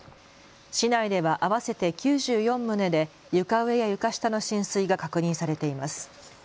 市内では合わせて９４棟で床上や床下の浸水が確認されています。